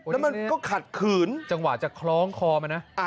แล้วมันก็ขัดขืนจังหวะจะคล้องคอมันนะ